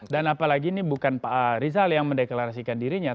dan apalagi ini bukan pak rizal yang mendeklarasikan dirinya